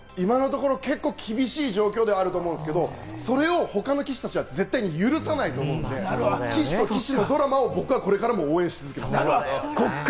今のところ結構厳しい状況ではあると思うんですけれども、それを他の棋士たちは絶対に許さないと思うので、棋士と棋士のドラマを僕はこれからも応援し続けます。